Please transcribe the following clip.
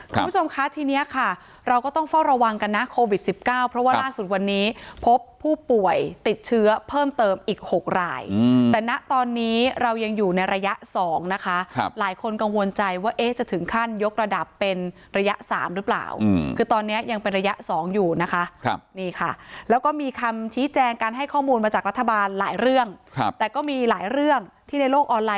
คุณผู้ชมคะทีนี้ค่ะเราก็ต้องเฝ้าระวังกันนะโควิดสิบเก้าเพราะว่าล่าสุดวันนี้พบผู้ป่วยติดเชื้อเพิ่มเติมอีก๖รายแต่ณตอนนี้เรายังอยู่ในระยะ๒นะคะหลายคนกังวลใจว่าเอ๊ะจะถึงขั้นยกระดับเป็นระยะสามหรือเปล่าคือตอนนี้ยังเป็นระยะสองอยู่นะคะครับนี่ค่ะแล้วก็มีคำชี้แจงการให้ข้อมูลมาจากรัฐบาลหลายเรื่องครับแต่ก็มีหลายเรื่องที่ในโลกออนไล